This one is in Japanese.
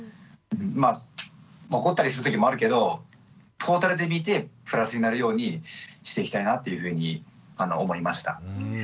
まあ怒ったりするときもあるけどトータルで見てプラスになれるようにしていきたいなというふうに思いました。